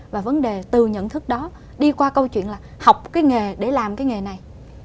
và vấn đề từ nhận thức đó đi qua câu chuyện là học cái nghề để làm cái nghề này